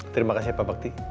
terima kasih pak bakti